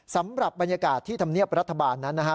สำหรับบรรยากาศที่ธรรมเนียบรัฐบาลนั้นนะฮะ